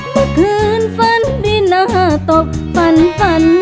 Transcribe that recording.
เมื่อคืนฝันดีน่าตกฝันฝัน